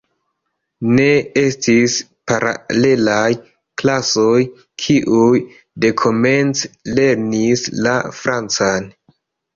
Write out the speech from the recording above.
Ne estis paralelaj klasoj, kiuj dekomence lernis la francan.